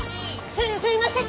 すみません！